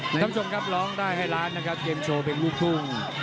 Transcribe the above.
คุณผู้ชมครับร้องได้ให้ล้านนะครับเกมโชว์เป็นลูกทุ่ง